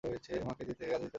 মাকে কাজে যেতে দাও।